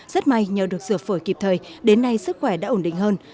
rất may nhờ được sửa phổi kịp thời đến nay sức khỏe đã ổn định hơn